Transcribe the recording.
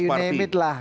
partai negara unemit lah